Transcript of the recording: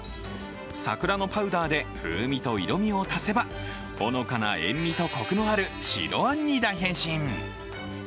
桜のパウダーで風味と色味を足せばほのかな塩みとこくのある白あんに大変身。